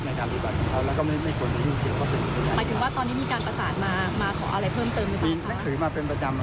มีนถือมาเป็นประจำนะครับที่ขอพยายาม